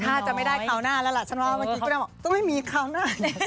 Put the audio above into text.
ดูท่าจะไม่ได้เขาหน้าแล้วล่ะฉันว่าเมื่อกี้ก็จะบอกต้องให้มีเขาหน้า